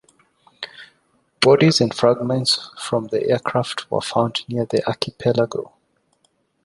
Bodies and fragments from the aircraft were found near the archipelago.